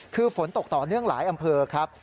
คือฝนตกต่อเนื่องหลายอำเภอครับ